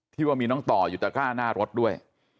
ว่ามีน้องต่ออยู่ตะกร้าหน้ารถด้วย